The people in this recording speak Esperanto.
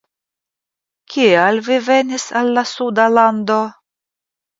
Kial vi venis al la Suda Lando?